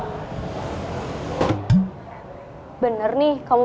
butuh deh makan yang lainnya